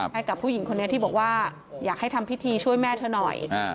ให้กับผู้หญิงคนนี้ที่บอกว่าอยากให้ทำพิธีช่วยแม่เธอหน่อย